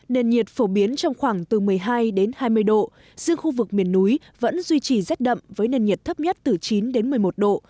nền nhiệt phổ biến trong khoảng từ một mươi hai đến hai mươi độ riêng khu vực miền núi vẫn duy trì rét đậm với nền nhiệt thấp nhất từ chín đến một mươi một độ